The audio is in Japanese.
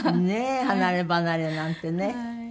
ねえ離ればなれなんてね。